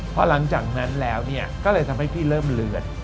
เพราะหลังจากนั้นเนี่ยก็เลยเธอเริ่มเลือน